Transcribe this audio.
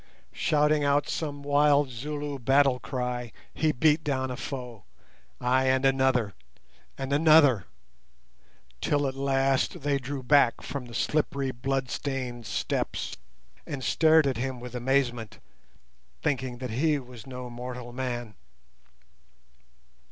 Shouting out some wild Zulu battle cry, he beat down a foe, ay, and another, and another, till at last they drew back from the slippery blood stained steps, and stared at him with amazement, thinking that he was no mortal man.